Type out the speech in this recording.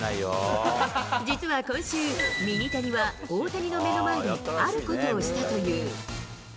実は今週、ミニタニは、大谷の目の前であることをしたという。